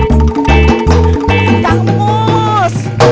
jadi kan ternyata